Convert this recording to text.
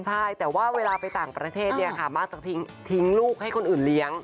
ใช่แต่ว่าเวลาไปต่างประเทศเนี่ยค่ะมักจะทิ้งลูกให้คนอื่นเลี้ยง